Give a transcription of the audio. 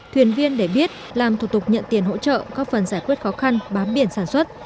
thuyền viên để biết làm thủ tục nhận tiền hỗ trợ góp phần giải quyết khó khăn bám biển sản xuất